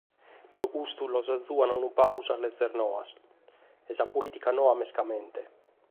Pro custu, ddos agiuaiant unu pagu sas leges noas, e sa polìtica noa mescamente.